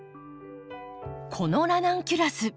このラナンキュラス